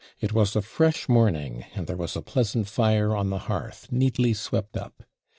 It was a FRESH morning, and there was a pleasant fire on the hearth, neatly swept up.